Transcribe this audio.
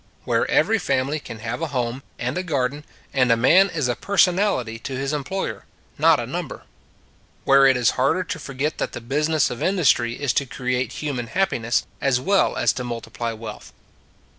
Where every family can have a home and a garden, and a man is a personality to his employer, not a number. Where it is harder to forget that the business of industry is to create human happiness as well as to multiply wealth.